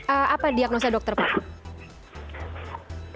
apa diagnosa dokter pak